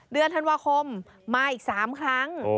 เดือนธันวาคมมาอีก๓ครั้ง